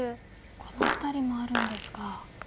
この辺りもあるんですか。